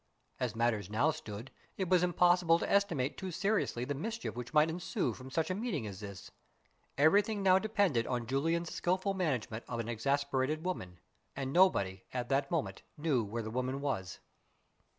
As matters now stood, it was impossible to estimate too seriously the mischief which might ensue from such a meeting as this. Everything now depended on Julian's skillful management of an exasperated woman; and nobody, at that moment, knew where the woman was.